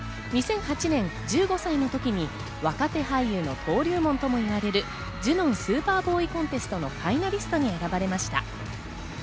２００８年、１５歳の時に若手俳優の登竜門ともいわれる、ジュノン・スーパーボーイコンテストのファイナリストに選ばれました。